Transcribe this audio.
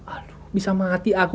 aduh bisa mati aku